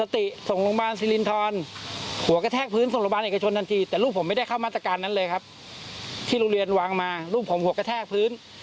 โรงเรียนวางมารูปผมหัวกระแทกพื้น